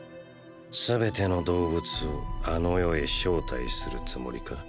全ての動物をあの世へ招待するつもりか。